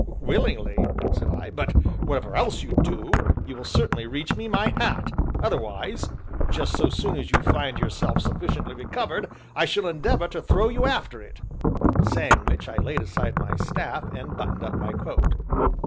"Willingly," said I, "but whatever else you do, you will certainly reach me my hat, otherwise, just so soon as you find yourself sufficiently recovered, I shall endeavor to throw you after it." Saying which, I laid aside my staff, and buttoned up my coat.